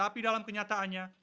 tetapi dalam kenyataannya